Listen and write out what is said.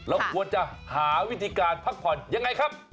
ควรจะหาวิธีการพักผ่อนยังไงครับ